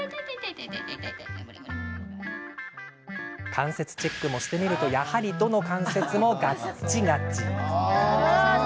関節チェックもしてみるとやはりどの関節もガチガチ。